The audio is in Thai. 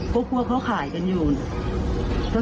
เรารู้ว่าเขาเอื้อให้พวกที่ว่า